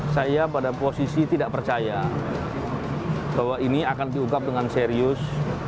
saya pada posisi tidak percaya bahwa ini akan diungkap dengan serius